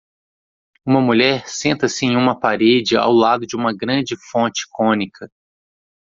Uma mulher senta-se em uma parede ao lado de uma grande fonte cônica.